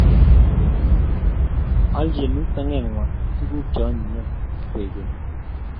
alchini sengeng'wang' tuguk che anyinyen kwekeny